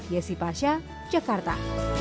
yesi pasha jakarta